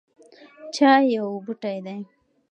چای یو بوټی دی